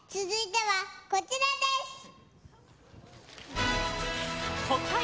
続いてはこちらです。